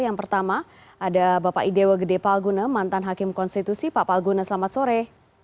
yang pertama ada bapak idewo gede palguna mantan hakim konstitusi pak palguna selamat sore